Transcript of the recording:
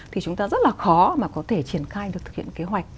thì chúng ta rất là khó mà có thể triển khai được thực hiện kế hoạch